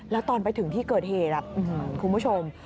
แล้วตอนไปถึงที่เกิดเหตุคุณผู้ชม